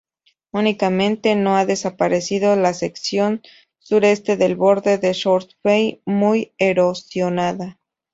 Únicamente no ha desaparecido la sección sureste del borde de "Short B", muy erosionada.